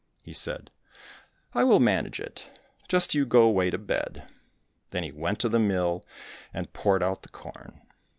He said, "I will manage it, just you go away to bed." Then he went into the mill, and poured out the corn.